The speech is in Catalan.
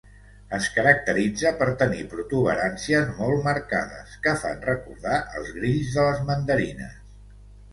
Es caracteritza per tenir protuberàncies molt marcades que fan recordar els grills de les mandarines.